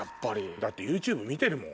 だってＹｏｕＴｕｂｅ見てるもん。